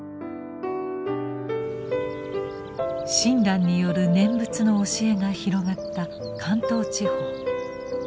親鸞による念仏の教えが広がった関東地方。